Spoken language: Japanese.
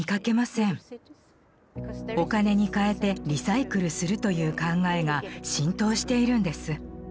お金に換えてリサイクルするという考えが浸透しているんです。